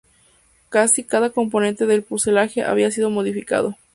Casi cada componente del fuselaje había sido modificado.